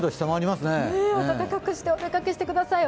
温かくしてお出かけください。